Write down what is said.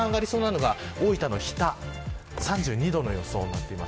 一番上がりそうなのが大分の日田、３２度の予想です。